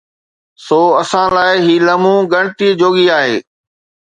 سو اسان لاءِ هي لمحو ڳڻتي جوڳي آهي.